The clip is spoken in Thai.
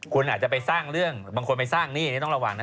คุณอาจจะไปสร้างเรื่องบางคนไปสร้างหนี้ต้องระวังนะ